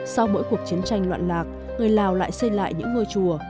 sau mỗi cuộc chiến tranh loạn lạc người lào lại xây lại những ngôi chùa